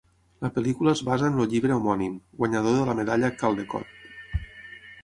La pel·lícula es basa en el llibre homònim, guanyador de la medalla Caldecott.